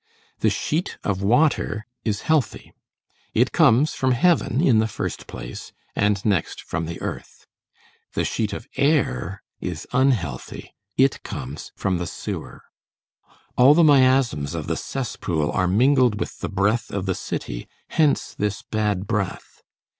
The sheet of water is healthy, it comes from heaven in the first place and next from the earth; the sheet of air is unhealthy, it comes from the sewer. All the miasms of the cesspool are mingled with the breath of the city; hence this bad breath.